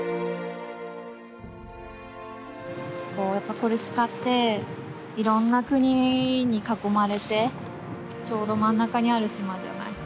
コルシカっていろんな国に囲まれてちょうど真ん中にある島じゃない。